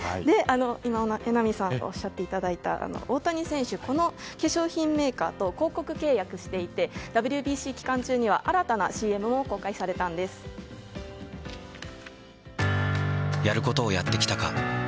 今、榎並さんからおっしゃっていただいた大谷選手、この化粧品メーカーと広告契約をしていてＷＢＣ期間中には、新たなＣＭもやることをやってきたか。